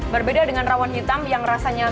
berbeda dengan rawon hitam yang rasanya